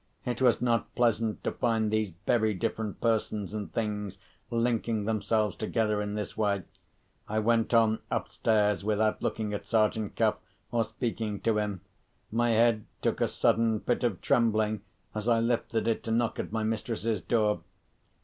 It was not pleasant to find these very different persons and things linking themselves together in this way. I went on upstairs, without looking at Sergeant Cuff, or speaking to him. My hand took a sudden fit of trembling as I lifted it to knock at my mistress's door.